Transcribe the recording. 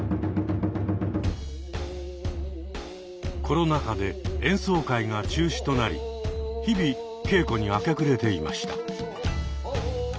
コロナ禍で演奏会が中止となり日々稽古に明け暮れていました。